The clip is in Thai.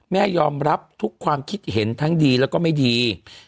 แม่ยอมรับทุกความคิดเห็นทั้งดีแล้วก็ไม่ดี